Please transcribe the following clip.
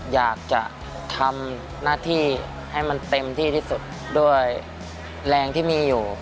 อยากจะทำหน้าที่ให้มันเต็มที่ที่สุดด้วยแรงที่มีอยู่